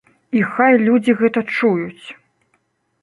І хай людзі гэта чуюць!